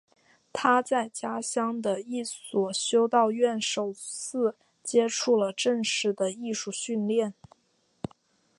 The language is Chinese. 他在家乡的一所修道院首次接触了正式的艺术训练。